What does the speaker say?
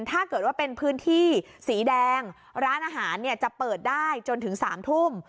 ถ้าเกิดว่าเป็นพื้นที่สีแดงร้านอาหารจะเปิดได้จนถึง๓ทุ่ม